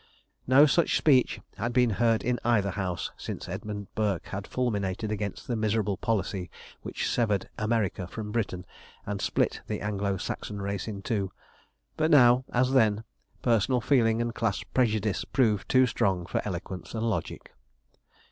No such speech had been heard in either House since Edmund Burke had fulminated against the miserable policy which severed America from Britain, and split the Anglo Saxon race in two; but now, as then, personal feeling and class prejudice proved too strong for eloquence and logic.